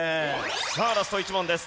さあラスト１問です。